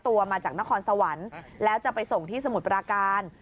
ตัวมาจากนครสวรรค์แล้วจะไปส่งที่สมุทรปราการ